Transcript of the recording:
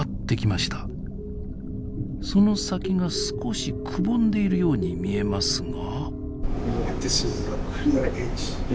その先が少しくぼんでいるように見えますが。